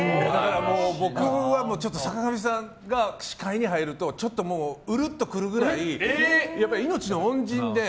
僕は坂上さんが視界に入るとちょっとウルっとくるくらい命の恩人で。